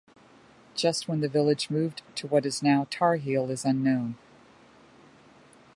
Just when the village moved to what is now Tar Heel is unknown.